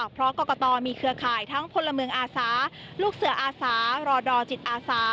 เพราะกรกตมีเครือข่ายทั้งพลเมืองอาสาลูกเสืออาสารอดอจิตอาสา